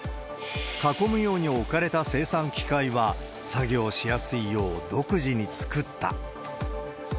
囲むように置かれた生産機械は作業しやすいよう、独自に作った。